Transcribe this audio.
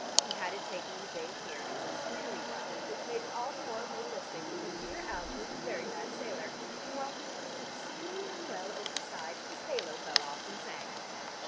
He had it taken in the bay here, and it was extremely rough, which made it all the more realistic because dear Algie is a very bad sailor and while he was being exceedingly unwell over the side, his halo fell off and sank."